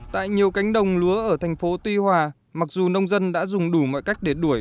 tại nhiều cánh đồng lúa ở thành phố tuy hòa mặc dù nông dân đã dùng đủ mọi cách để đuổi